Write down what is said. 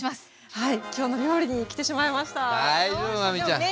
はい。